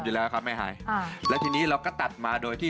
อยู่แล้วตัวนี้ก็ต้องโดรสเต้น